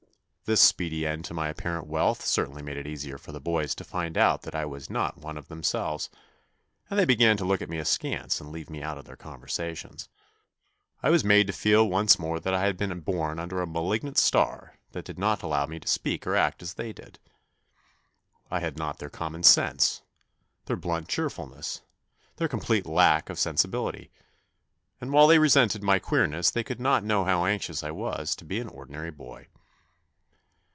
This speedy end to my apparent wealth cer tainly made it easier for the boys to find out that 1 was not one of themselves, and they began to look at me askance and leave me out of their conversations. I was made to feel once more that I had been born under a malignant star that did not allow me to speak or act as they did. I had not their common sense, their blunt cheerfulness, their complete lack of sensibility, and while they resented my queerness they could not know how anxious I was to be an ordinary boy.